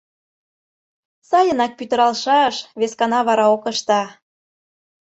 Сайынак пӱтыралшаш, вескана вара ок ыште...